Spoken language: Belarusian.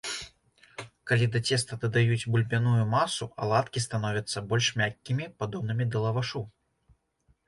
Калі да цеста дадаюць бульбяную масу, аладкі становяцца больш мяккімі, падобнымі да лавашу.